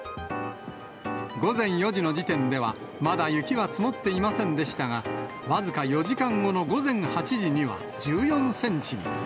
午前４時の時点では、まだ雪は積もっていませんでしたが、僅か４時間後の午前８時には、１４センチに。